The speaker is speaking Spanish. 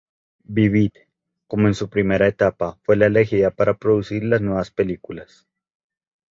Vivid, como en su primera etapa, fue la elegida para producir las nuevas películas.